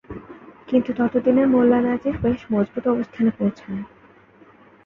কিন্তু তত দিনে মোল্লা নাজির বেশ মজবুত অবস্থানে পৌঁছান।